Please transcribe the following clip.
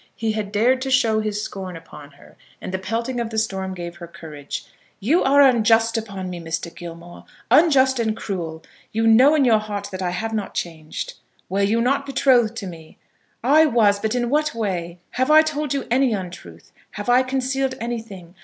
He had dared to shower his scorn upon her, and the pelting of the storm gave her courage. "You are unjust upon me, Mr. Gilmore, unjust and cruel. You know in your heart that I have not changed." "Were you not betrothed to me?" "I was; but in what way? Have I told you any untruth? Have I concealed anything?